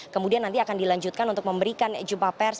kemudian nanti akan dilanjutkan untuk memberikan jumpa pers